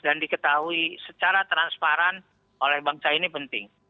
dan diketahui secara transparan oleh bangsa ini penting